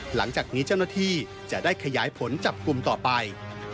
หลังจากนี้เจ้าหน้าที่จะได้ขยายผลจับกลุ่มต่อไป